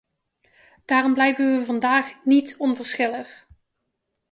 Daarom blijven we vandaag niet onverschillig.